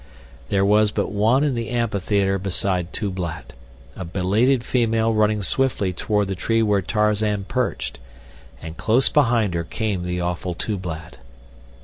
There was but one in the amphitheater beside Tublat, a belated female running swiftly toward the tree where Tarzan perched, and close behind her came the awful Tublat.